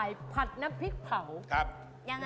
อย่างน้ยก็แพงกว่า